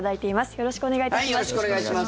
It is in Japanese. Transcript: よろしくお願いします。